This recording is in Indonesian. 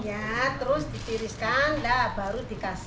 ya terus ditiriskan dah baru dikasih